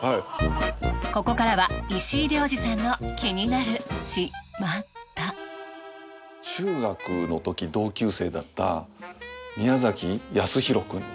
ここからは石井亮次さんの気になるチマタ中学のとき同級生だった宮崎安弘くんに。